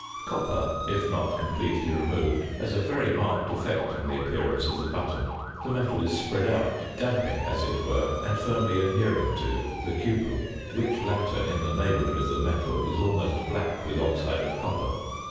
Copper, if not completely removed, has a very marked effect on the appearance of the button: the metal is spread out, damping, as it were, and firmly adhering to the cupel, which latter in the neighbourhood of the metal is almost black with oxide of copper.